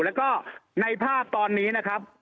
แล้วก็ในภาพตอนนี้นะครับ